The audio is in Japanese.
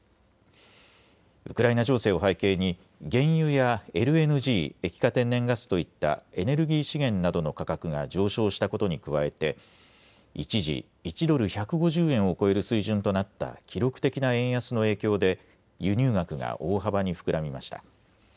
ウクライナ情勢を背景に原油やＬＮＧ・液化天然ガスといったエネルギー資源などの価格が上昇したことに加えて一時、１ドル１５０円を超える水準となった記録的な円安の影響で輸入額が大幅に膨らみました。